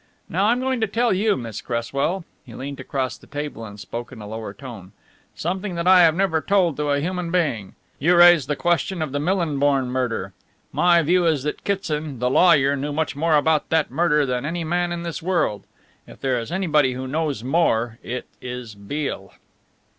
Now, I'm going to tell you, Miss Cresswell" he leant across the table and spoke in a lower tone "something that I have never told to a human being. You raised the question of the Millinborn murder. My view is that Kitson, the lawyer, knew much more about that murder than any man in this world. If there is anybody who knows more it is Beale."